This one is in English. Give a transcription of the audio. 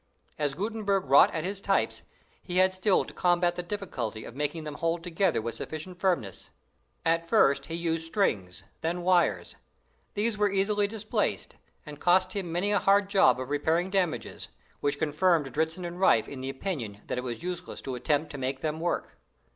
As Gutenberg wrought at his types, he had still to combat the difficulty of making them hold together with sufficient firmness. At first he used strings, then wires. These were easily displaced, and cost him many a hard job of repairing damages, which confirmed Dritzhn and Riffe in the opinion that it was useless to attempt to make them work.